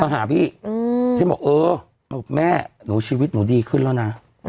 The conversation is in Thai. หาพี่พี่บอกเออแม่หนูชีวิตหนูดีขึ้นแล้วนะ